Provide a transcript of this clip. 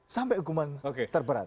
sampai hukuman terberat